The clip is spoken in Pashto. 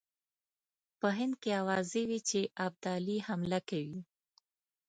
په هند کې آوازې وې چې ابدالي حمله کوي.